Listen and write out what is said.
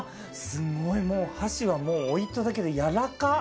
すごいもう箸はもう置いただけで軟らか！